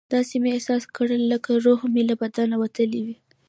داسې مې احساس کړه لکه روح مې له بدنه وتلی وي.